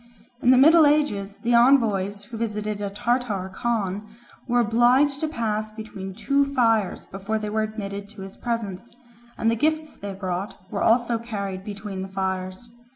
In the middle ages the envoys who visited a Tartar Khan were obliged to pass between two fires before they were admitted to his presence, and the gifts they brought were also carried between the fires.